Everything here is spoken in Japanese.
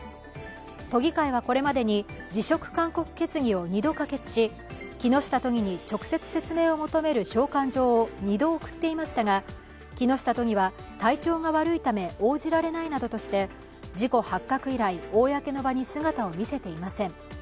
都議会はこれまでに辞職勧告決議を２度可決し、木下都議に直接説明を求める召喚状を２度送っていましたが、木下都議は、体調が悪いため応じられないなどとして事故発覚以来、公の場に姿を見せていません。